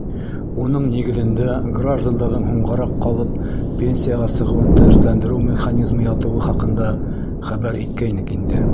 Уның нигеҙендә граждандарҙың һуңғараҡ ҡалып пенсияға сығыуын дәртләндереү механизмы ятыуы хаҡында хәбәр иткәйнек инде.